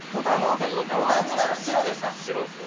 ボタン自体は白でした。